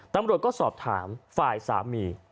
ตำรวจก็สอบถามฝ่ายสามี